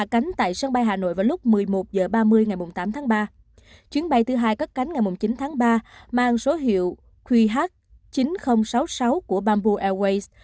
chuyến bay thứ hai cắt cánh ngày chín tháng ba mang số hiệu kh chín nghìn sáu mươi sáu của bamboo airways